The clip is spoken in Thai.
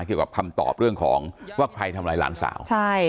เกี่ยวกับคำตอบเรื่องของว่าใครทำร้ายหลานสาว